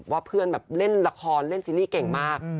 ว่าเพื่อนแบบเล่นละครเล่นซีรีส์เก่งมาก